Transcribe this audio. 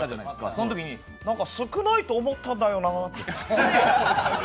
そのときに少ないと思ったんだよなって。